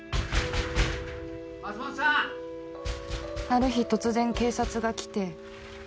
ある日突然警察が来て。